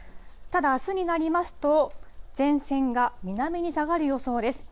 ただ、あすになりますと、前線が南に下がる予想です。